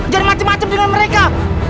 jadi macem macem dengan mereka